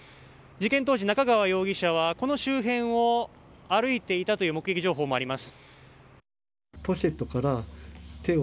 事件当時、中川容疑者はこの周辺を歩いていたという目撃情報もあります。